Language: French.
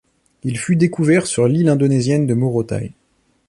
Il fut découvert sur l'île indonésienne de Morotai.